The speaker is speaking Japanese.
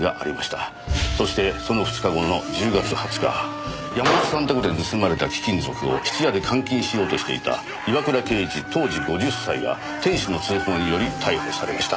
そしてその２日後の１０月２０日山本さん宅で盗まれた貴金属を質屋で換金しようとしていた岩倉圭一当時５０歳が店主の通報により逮捕されました。